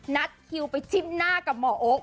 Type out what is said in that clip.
นัดคิวไปจิ้มหน้ากับหมอโอ๊ค